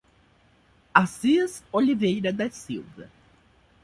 Assis Oliveira da Silva